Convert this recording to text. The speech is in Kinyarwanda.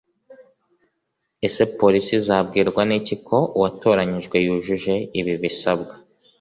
Ese Polisi izabwirwa n’iki ko uwatoranyijwe yujuje ibi bisabwa